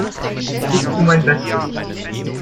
Ich tu mein Bestes.